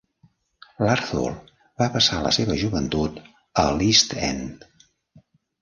L'Arthur va passar la seva joventut a l'East End.